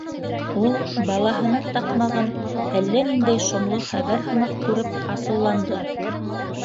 Ул, балаһының таҡмағын әллә ниндәй шомло хәбәр һымаҡ күреп, асыуланды.